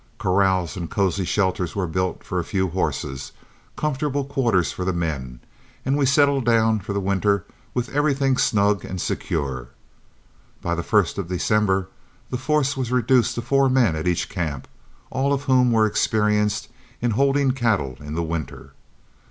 Corrals and cosy shelters were built for a few horses, comfortable quarters for the men, and we settled down for the winter with everything snug and secure. By the first of December the force was reduced to four men at each camp, all of whom were experienced in holding cattle in the winter.